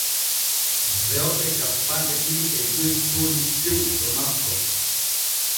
Rewɓe cappanɗe ɗiɗi e joy soodi tew to makko.